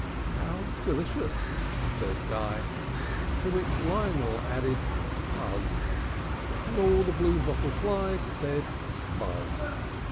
"How delicious!" said Guy. To which Lionel added, "Huzz!" And all the Blue Bottle Flies said, "Buzz!"